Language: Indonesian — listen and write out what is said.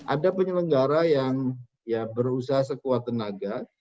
ada penyelenggara yang berusaha sekuat tenaga